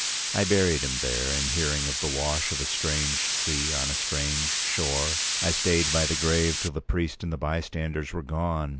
I buried him there, in hearing of the wash of a strange sea on a strange shore. I stayed by the grave till the priest and the bystanders were gone.